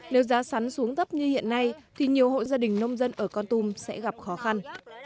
nếu giá sắn xuống thấp như hiện nay thì nhiều hộ gia đình nông dân ở con tum sẽ gặp khó khăn